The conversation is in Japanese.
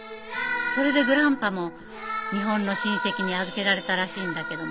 それでグランパも日本の親戚に預けられたらしいんだけども